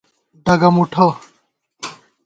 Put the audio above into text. ڈگہ مُٹھہ